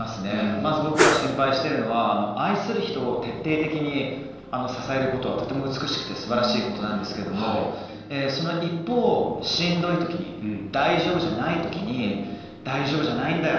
まず僕が心配してるのは愛する人を徹底的に支えることはとても美しくてすばらしいことなんですけれどもその一方、しんどいときに大丈夫じゃないときに大丈夫じゃないんだよ